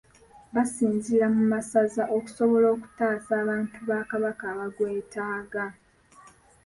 Basinziira mu masaza okusobola okutaasa abantu ba Kabaka abagwetaaga.